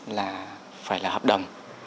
là phải là hợp đồng